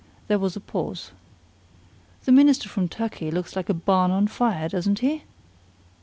There was a pause. "The minister from Turkey looks like a barn on fire, doesn't he?"